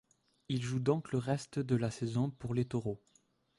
Il joue donc le reste de la saison pour les Toros.